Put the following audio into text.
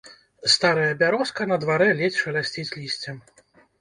Старая бярозка на дварэ ледзь шалясціць лісцем.